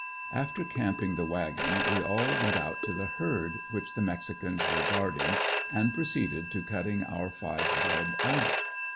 After camping the wagon we all went out to the herd, which the mexicans were guarding and proceeded to cutting our five head out.